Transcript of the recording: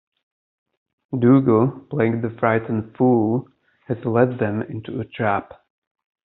Dougal, playing the frightened fool, has led them into a trap.